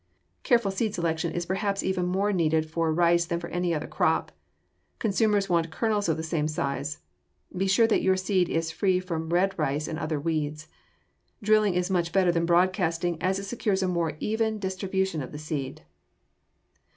Careful seed selection is perhaps even more needed for rice than for any other crop. Consumers want kernels of the same size. Be sure that your seed is free from red rice and other weeds. Drilling is much better than broadcasting, as it secures a more even distribution of the seed.